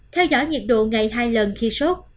theo dõi nhiệt độ ngày hai lần khi sốt